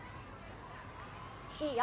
いいよ。